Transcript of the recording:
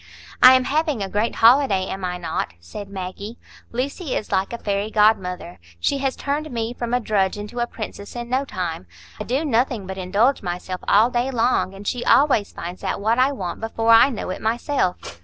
"I am having a great holiday, am I not?" said Maggie. "Lucy is like a fairy godmother; she has turned me from a drudge into a princess in no time. I do nothing but indulge myself all day long, and she always finds out what I want before I know it myself."